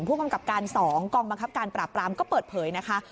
ผู้กำกับการ๒กองบังคับการปราบปรามก็เปิดเผยนะคะ